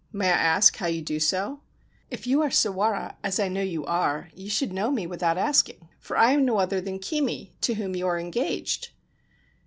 May I ask how you do so ?'' If you are Sawara, as I know you are, you should know me without asking, for I am no other than Kimi, to whom you were engaged